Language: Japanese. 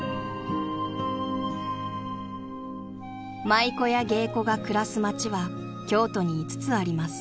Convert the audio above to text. ［舞妓や芸妓が暮らす街は京都に５つあります］